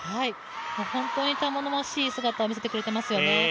本当に頼もしい姿を見せてくれていますよね。